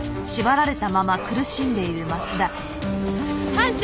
「」「」「」班長！